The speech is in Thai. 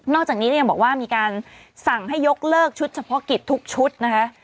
จากนี้ยังบอกว่ามีการสั่งให้ยกเลิกชุดเฉพาะกิจทุกชุดนะคะ